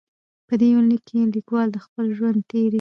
په دې یونلیک کې لیکوال د خپل ژوند تېرې.